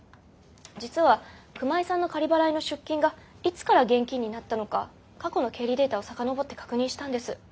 実は熊井さんの仮払いの出金がいつから現金になったのか過去の経理データを遡って確認したんです。